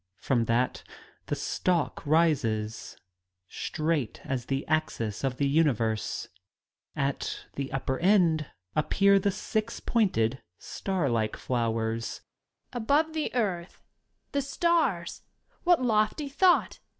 From that the stalk rises, straight as the axis of the universe. At its upper end appear the six pointed, starlike flowers. Young Lady. Above the earth — ^the stars! What lofty thought